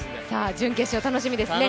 準決勝楽しみですね。